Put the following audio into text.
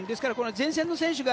前線の選手が。